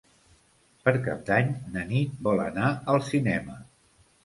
Per Cap d'Any na Nit vol anar al cinema.